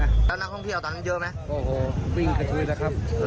แล้วนักท่องเที่ยวตอนนั้นเยอะไหม